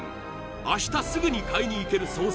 明日すぐに買いに行ける惣菜